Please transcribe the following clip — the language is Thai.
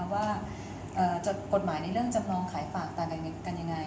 ว่ากฎหมายในเรื่องจำลองขายฝากต่างกันยังไง